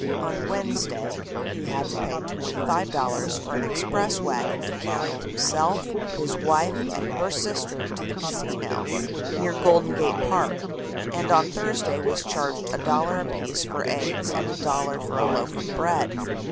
On Wednesday he had to pay $25 for an express wagon to carry himself, his wife and her sister to the Casino, near Golden Gate Park, and on Thursday was charged a dollar apiece for eggs and a dollar for a loaf of bread.